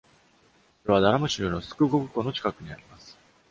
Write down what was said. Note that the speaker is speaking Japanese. それはダラム州の Scugog 湖の近くにあります。